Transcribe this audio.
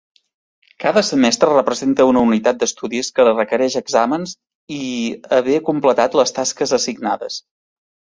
Cada semestre representa una unitat d'estudis que requereix exàmens i haver completat les tasques assignades.